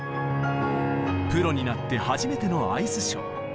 プロになって初めてのアイスショー。